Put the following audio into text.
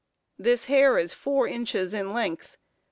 This hair is 4 inches in length.